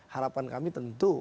harapan kami tentu